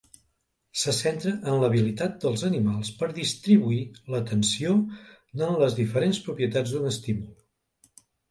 Se centra en l'habilitat dels animals per distribuir l'atenció en les diferents propietats d'un estímul.